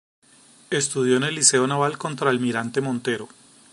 Estudió en el Liceo Naval Contralmirante Montero.